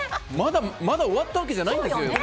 まだ終わったわけじゃないんですよ。